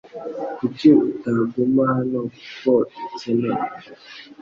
Kuki utaguma hano kuko bikenewe